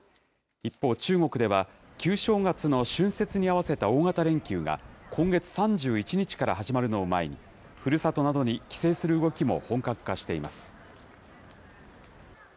一方、中国では旧正月の春節に合わせた大型連休が、今月３１日から始まるのを前に、ふるさとなどに帰省する動きも本格化しています。